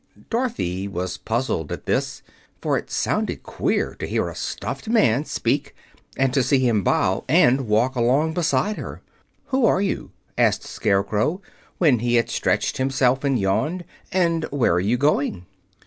Dorothy was puzzled at this, for it sounded queer to hear a stuffed man speak, and to see him bow and walk along beside her. "Who are you?" asked the Scarecrow when he had stretched himself and yawned. "And where are you going?"